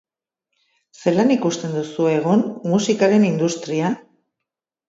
Zelan ikusten duzu egun musikaren industria?